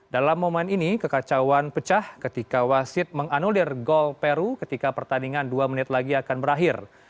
dalam momen ini kekacauan pecah ketika wasit menganulir gol peru ketika pertandingan dua menit lagi akan berakhir